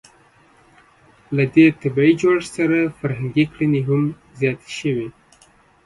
له دې طبیعي جوړښت سره فرهنګي کړنې هم زیاتې شوې.